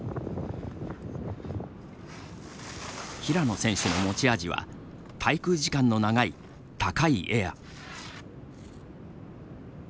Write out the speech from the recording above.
平野選手の持ち味は滞空時間の長い高いエア。